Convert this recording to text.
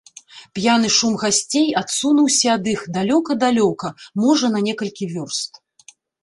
П'яны шум гасцей адсунуўся ад іх далёка-далёка, можа, на некалькі вёрст.